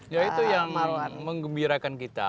ya itu yang mengembirakan kita